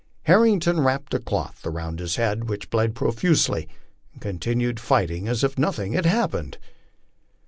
Herrington wrapped a cloth around his head, which bled profusely, and continued fighting as if nothing had happened.